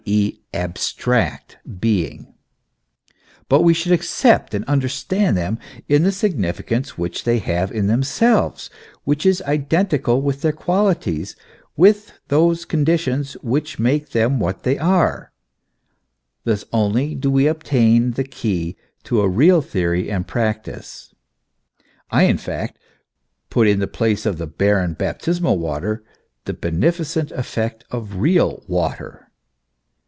e., abstract being ; but we should accept and understand them in the significance which they have in themselves, which is identical with their qualities, with those conditions which make them what they are : thus only do we obtain the key to a real theory and practice. I, in fact, put in the place of the barren baptismal water, the bene ficent effect of real water.